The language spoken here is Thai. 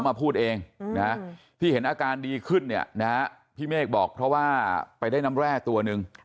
มาพูดเองนะที่เห็นอาการดีขึ้นเนี่ยนะพี่เมฆบอกเพราะว่าไปได้น้ำแร่ตัวนึง